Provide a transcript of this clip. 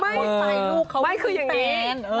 ไม่ใส่ลูกเขาไม่คือยังไง